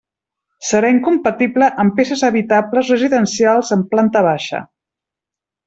Serà incompatible amb peces habitables residencials en planta baixa.